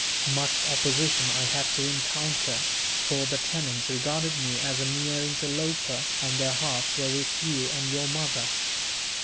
Much opposition I had to encounter; for the tenants regarded me as a mere interloper, and their hearts were with you and your mother.